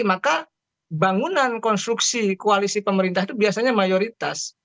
maka bangunan konstruksi koalisi pemerintah itu biasanya mayoritas